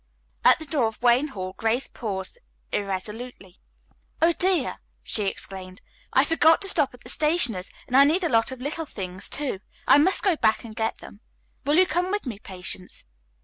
At the door of Wayne Hall Grace paused irresolutely. "Oh, dear!" she exclaimed, "I forgot to stop at the stationer's, and I need a lot of little things, too. I must go back and get them. Will you come with me, Patience?"